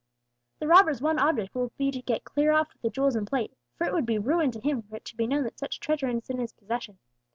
The robber's one object will be to get clear off with the jewels and plate, for it would be ruin to him were it to be known that such treasure is in his possession.